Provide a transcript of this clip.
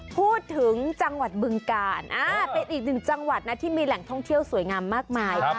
พูดถึงจังหวัดบึงกาลเป็นอีกหนึ่งจังหวัดนะที่มีแหล่งท่องเที่ยวสวยงามมากมาย